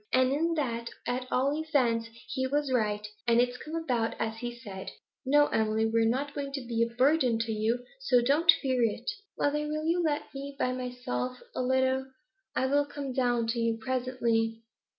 And in that, at all events, he was right, and it's come about as he said. No, Emily, we're not going to be a burden to you, so don't fear it.' 'Mother, will you let me be by myself a little? I will come down to you presently.'